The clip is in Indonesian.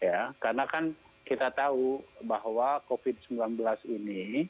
ya karena kan kita tahu bahwa covid sembilan belas ini